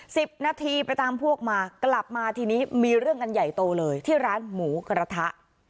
สิบนาทีไปตามพวกมากลับมาทีนี้มีเรื่องกันใหญ่โตเลยที่ร้านหมูกระทะ